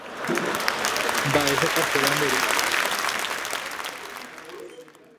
Mba'éichapa héra nde ru.